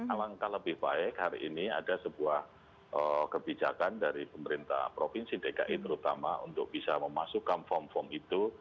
alangkah lebih baik hari ini ada sebuah kebijakan dari pemerintah provinsi dki terutama untuk bisa memasukkan form form itu